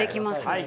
はい。